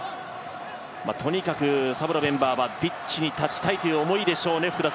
とにかくサブのメンバーはピッチに立ちたいという思いでしょうね。